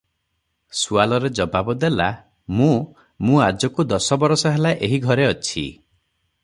ସୁଆଲରେ ଜବାବ ଦେଲା - "ମୁଁ, ମୁଁ ଆଜକୁ ଦଶବରଷ ହେଲା ଏହି ଘରେ ଅଛି ।